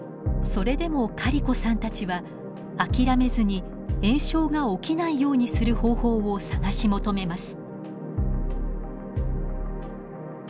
それでもカリコさんたちは諦めずに炎症が起きないようにする方法を探し求めます。